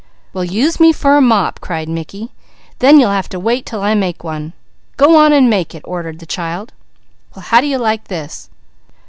"Well use me for a mop!" cried Mickey. "Then you'll have to wait 'til I make one." "Go on and make it!" ordered the child. "Well how do you like this?"